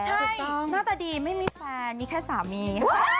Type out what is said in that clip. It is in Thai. ใช่หน้าตาดีไม่มีแฟนมีแค่สามี